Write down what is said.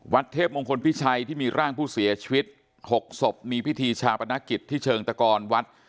เทพมงคลพิชัยที่มีร่างผู้เสียชีวิต๖ศพมีพิธีชาปนกิจที่เชิงตะกรวัด